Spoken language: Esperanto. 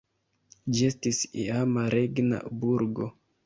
Ĝi estis iama regna burgo.